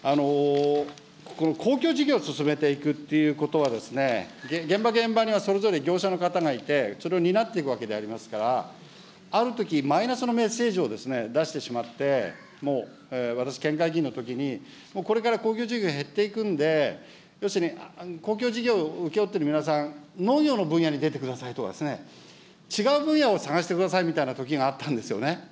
公共事業を進めていくということはですね、現場、現場には、それぞれ業者の方がいて、それを担っていくわけでありますから、あるとき、マイナスのメッセージを出してしまって、私、県会議員のときに、もうこれから公共事業減っていくんで、要するに公共事業請け負ってる皆さん、農業の分野に出てくださいとかですね、違う分野を探してくださいみたいなときがあったんですよね。